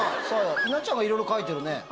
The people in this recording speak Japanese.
稲ちゃんがいろいろ書いてるね。